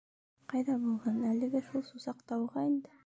— Ҡайҙа булһын, әлеге шул Сусаҡтауға инде.